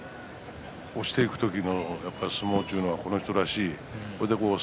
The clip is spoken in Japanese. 押していく時の相撲というのはこの人らしい。